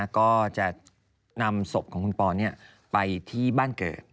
ก็จะนำศพของคุณปอนไปที่บ้านเกิด